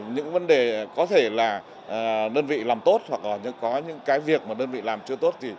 những vấn đề có thể là đơn vị làm tốt hoặc là có những cái việc mà đơn vị làm chưa tốt